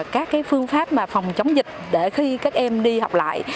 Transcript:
các phương pháp mà phòng chống dịch để khi các em đi học lại